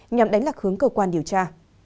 nhằm đánh lạc hướng cơ quan điều tra